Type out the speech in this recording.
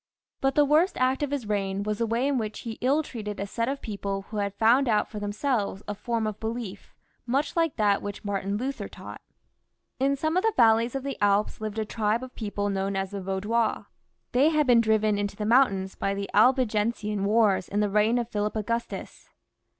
But the worst act of his reign was the way in which he ill treated a set of people who had found out for them selves a form of belief, much like that which Martin Luther taught. 244 FRANCIS L [CH. In some of the valleys of the Alps lived a tribe of people known as the Vandois. They had been driven into the mountains by the Albigensian wars in the reign of Philip Augustus.